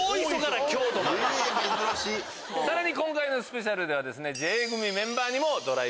さらに今回のスペシャルでは。